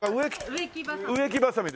植木ばさみ。